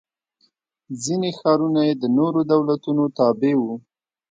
ځیني ښارونه یې د نورو دولتونو تابع و.